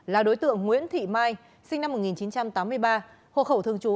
là đối tượng nguyễn thị mai sinh năm một nghìn chín trăm tám mươi ba hộ khẩu thường trú